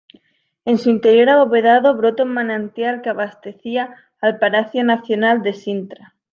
En su interior abovedado brota un manantial que abastecía al Palacio Nacional de Sintra.